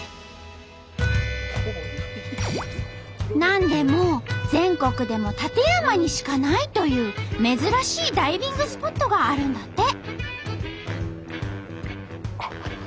なんでも全国でも館山にしかないという珍しいダイビングスポットがあるんだって！